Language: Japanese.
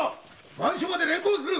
番所まで連行する。